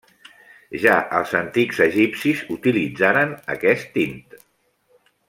Ja els antics egipcis utilitzaren aquest tint.